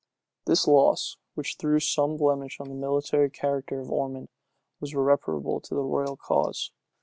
This loss, which threw some blemish on the military character of Ormond, was irreparable to the royal cause.